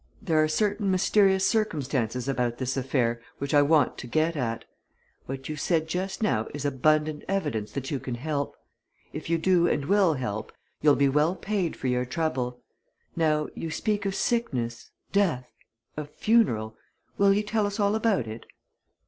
"There are certain mysterious circumstances about this affair which I want to get at. What you've said just now is abundant evidence that you can help. If you do and will help, you'll be well paid for your trouble. Now, you speak of sickness death a funeral. Will you tell us all about it?"